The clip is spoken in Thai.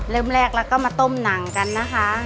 เริ่มแรกแล้วก็มาต้มหนังกันนะคะ